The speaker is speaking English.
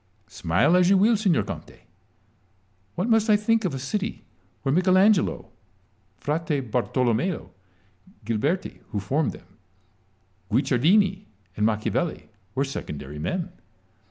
Smile as you will, signor Conte, what must I think of a city where Michel Angelo, Frate Bartolomeo, Ghiberti (who formed them), Guicciardini, and Machiavelli were secondary men